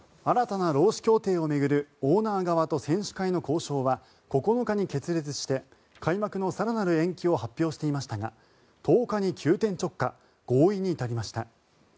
新たな労使協定を巡るオーナー側と選手会の交渉は９日に決裂して開幕の更なる延期を発表していましたが１０日に急転直下合意に至りました。